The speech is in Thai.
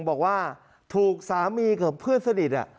บอกว่าถูกสามีกับเพื่อนสนิท